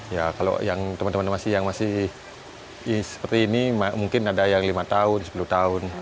ya kalau yang teman teman yang masih seperti ini mungkin ada yang lima tahun sepuluh tahun